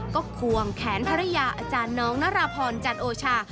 ก็ควงแขนภรรยาอาจารย์น้องนรพรจันโอชา